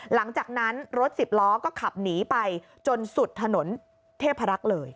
หลังจากนั้นรถสิบล้อก็ขับหนีไปจนสุดถนนเทพรักษ์เลย